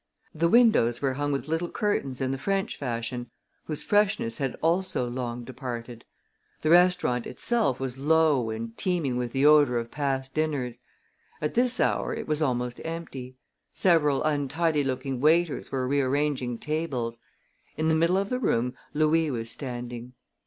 The windows were hung with little curtains in the French fashion, whose freshness had also long departed. The restaurant itself was low and teeming with the odor of past dinners. At this hour it was almost empty. Several untidy looking waiters were rearranging tables. In the middle of the room Louis was standing.